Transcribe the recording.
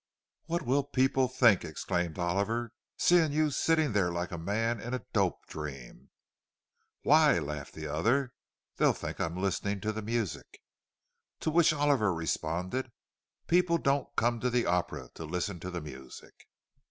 "What will people think," exclaimed Oliver, "seeing you sitting there like a man in a dope dream?" "Why," laughed the other, "they'll think I'm listening to the music." To which Oliver responded, "People don't come to the Opera to listen to the music."